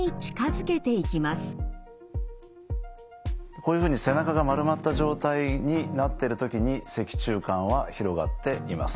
こういうふうに背中が丸まった状態になっている時に脊柱管は広がっています。